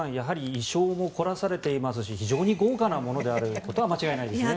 意匠も凝らされていますし非常に豪華なものであることは間違いないですね。